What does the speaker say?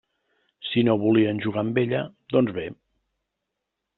Si no volien jugar amb ella, doncs bé!